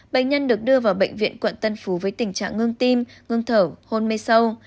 bệnh nhân được đưa vào bệnh viện quận tân phú với tình trạng ngưng tim ngưng thở hôn mê sâu